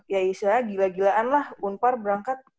ya istilah gila gilaan lah unpar berangkat